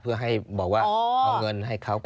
เพื่อให้บอกว่าเอาเงินให้เขา